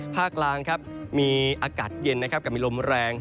ภาคกลางครับมีอากาศเย็นนะครับกับมีลมแรง